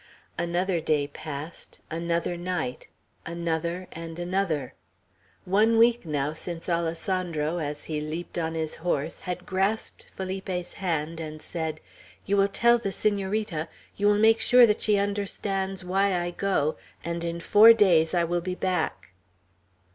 Another day passed; another night; another, and another. One week now since Alessandro, as he leaped on his horse, had grasped Felipe's hand, and said: "You will tell the Senorita; you will make sure that she understands why I go; and in four days I will be back."